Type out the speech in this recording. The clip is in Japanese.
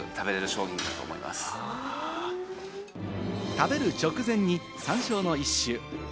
食べる直前に山椒の一種・花